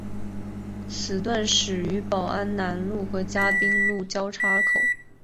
此段始于宝安南路与嘉宾路交叉口。